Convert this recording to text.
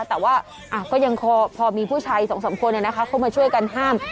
แต่ว่าก็ยังพอมีผู้ชายสองสามคนเข้ามาช่วยกันห้าม